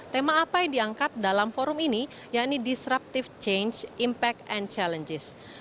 tema apa yang diangkat dalam forum ini yakni disruptive change impact and challenges